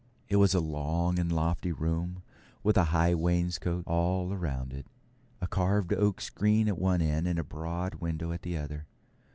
It was a long and lofty room, with a high wainscot all round it, a carved oak screen at one end, and a broad window at the other.